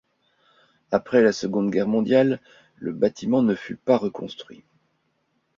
Après la Seconde Guerre mondiale, le bâtiment ne fut pas reconstruit.